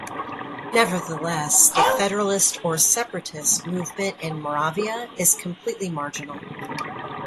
Nevertheless, the federalist or separatist movement in Moravia is completely marginal.